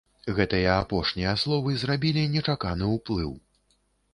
Гэтыя апошнія словы зрабілі нечаканы ўплыў.